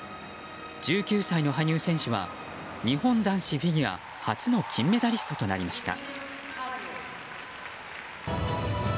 １９歳の羽生選手は日本男子フィギュア初の金メダリストとなりました。